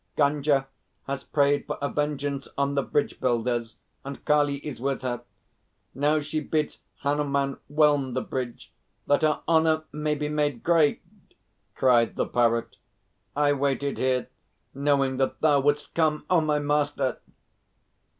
"Gunga has prayed for a vengeance on the bridge builders, and Kali is with her. Now she bids Hanuman whelm the bridge, that her honour may be made great," cried the Parrot. "I waited here, knowing that thou wouldst come, O my master!